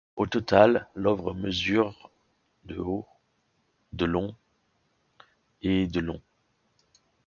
Au total, l'œuvre mesure de haut, de long et de long.